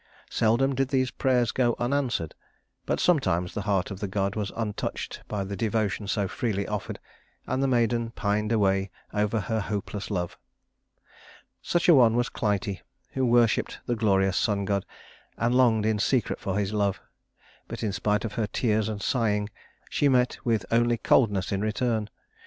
Seldom did these prayers go unanswered; but sometimes the heart of the god was untouched by the devotion so freely offered, and the maiden pined away over her hopeless love. Such a one was Clytie, who worshiped the glorious sun god, and longed in secret for his love; but in spite of her tears and sighing she met with only coldness in return.